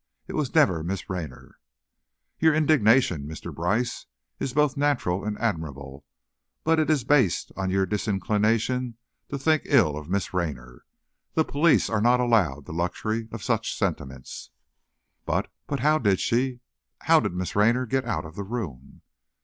It was never Miss Raynor!" "Your indignation, Mr. Brice, is both natural and admirable, but it is based on your disinclination to think ill of Miss Raynor. The police are not allowed the luxury of such sentiments." "But but how did she how did Miss Raynor get out of the room?"